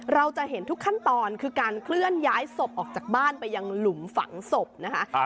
เราจะเห็นทุกขั้นตอนคือการเคลื่อนย้ายศพออกจากบ้านไปยังหลุมฝังศพนะคะ